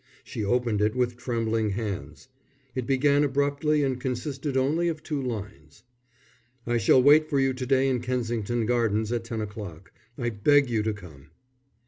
She opened it with trembling hands. It began abruptly and consisted only of two lines. _I shall wait for you to day in Kensington Gardens at ten o'clock. I beg you to come.